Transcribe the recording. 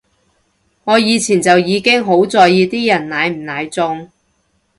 我以前就已經好在意啲人奶唔奶中